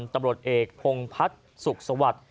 ตำรวจเอกพงพัฒน์สุขสวัสดิ์